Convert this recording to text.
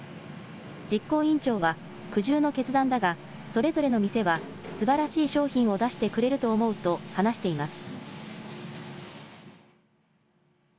実行委員長は苦渋の決断だがそれぞれの店はすばらしい商品を出してくれると思うと話しています。